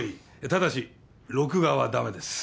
ただし録画はだめです。